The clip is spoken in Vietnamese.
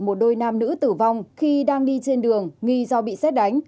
một đôi nam nữ tử vong khi đang đi trên đường nghi do bị xét đánh